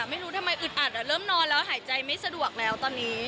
ไม่รู้ทำไมอึดอัดเริ่มนอนแล้วหายใจไม่สะดวกแล้วตอนนี้